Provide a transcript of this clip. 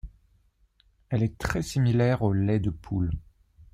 Elle est très similaire au lait de poule.